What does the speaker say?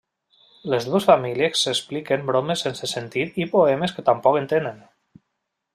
Les dues famílies s'expliquen bromes sense sentit i poemes que tampoc en tenen.